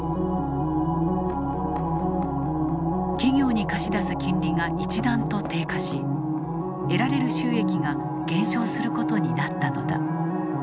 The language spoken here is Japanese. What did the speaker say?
企業に貸し出す金利が一段と低下し得られる収益が減少することになったのだ。